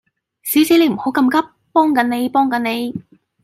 小姐你唔好咁急，幫緊你，幫緊你